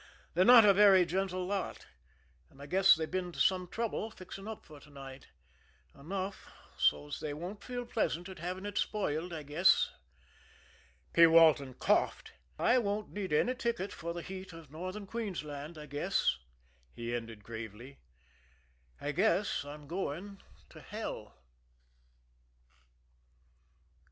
They're not a very gentle lot, and I guess they've been to some little trouble fixing up for to night enough so's they won't feel pleasant at having it spoiled. I guess" P. Walton coughed "I won't need that ticket for the heat of Northern Queensland. I guess" he ended gravely "I guess I'm going to hell."